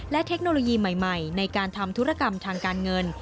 และเทคโนโลยีใหม่ในการทำธุรกรรมทางการเงิน